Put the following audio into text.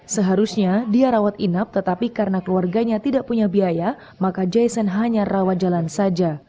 seharusnya dia rawat inap tetapi karena keluarganya tidak punya biaya maka jason hanya rawat jalan saja